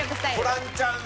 ホランちゃん